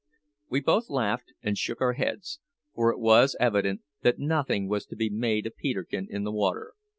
We both laughed and shook our heads, for it was evident that nothing was to be made of Peterkin in the water.